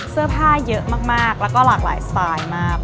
เสื้อผ้าเยอะมากแล้วก็หลากหลายสไตล์มาก